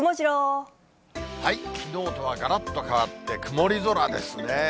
きのうとはがらっと変わって、曇り空ですね。